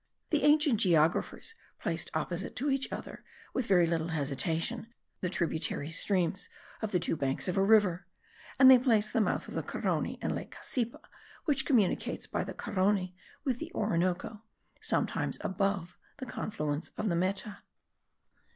The ancient geographers placed opposite to each other, with very little hesitation, the tributary streams of the two banks of a river; and they place the mouth of the Carony, and lake Cassipa, which communicates by the Carony with the Orinoco, sometimes* ABOVE the confluence of the Meta.